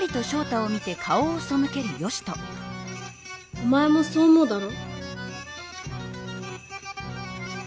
おまえもそう思うだろ？